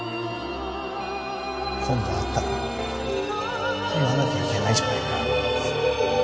今度会ったら言わなきゃいけないじゃないか